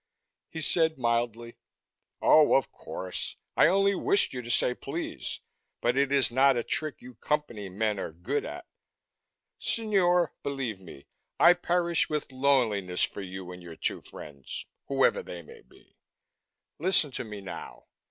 He said mildly, "Oh, of course. I only wished you to say 'please' but it is not a trick you Company men are good at. Signore, believe me, I perish with loneliness for you and your two friends, whoever they may be. Listen to me, now."